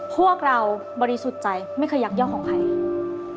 พวกเราบริสุทธิ์ใจไม่เคยยักยอกของใคร